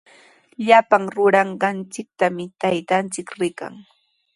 Llapan ruranqanchiktami taytanchik rikan.